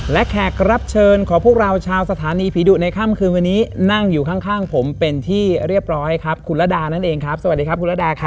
และแขกรับเชิญของพวกเราชาวสถานีผีดุในค่ำคืนวันนี้นั่งอยู่ข้างผมเป็นที่เรียบร้อยครับคุณระดานั่นเองครับสวัสดีครับคุณระดาครับ